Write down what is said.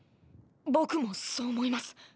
僕もそう思います。